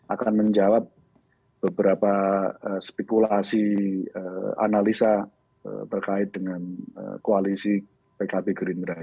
akan menjawab beberapa spekulasi analisa berkait dengan koalisi pkp gerindra ini